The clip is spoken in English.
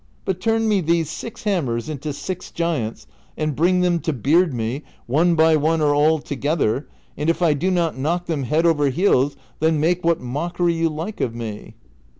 But turn me these six hammers into six giants, and bring them to beard me, one by one or all together, and if I do not knock them head over heels, then make what mockery you like of me."